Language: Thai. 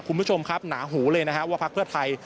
คุณผู้ชมครับหนาหูเลยว่าภาคเพื่อไทย